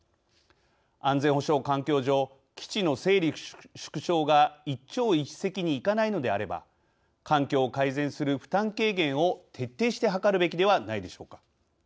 安全保障環境上基地の整理・縮小が一朝一夕にいかないのであれば環境を改善する負担軽減を徹底して図るべきではないでしょうか。